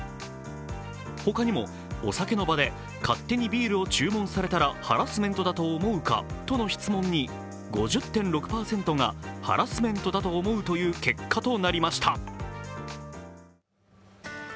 他にもお酒の場で勝手にビールを注文されたらハラスメントだと思うかとの質問に５０．６％がハラスメントだと思うという結果となりました。